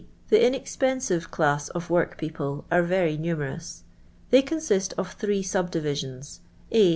The In^rptntive class oi workpeople are very numerous. They consist of three sub dirisions :— ((f.)